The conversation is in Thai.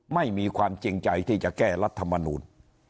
ไม่มีความจริงใจที่จะแก้รัฐมนูล